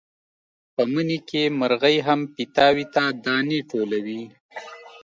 په مني کې مرغۍ هم پیتاوي ته دانې ټولوي.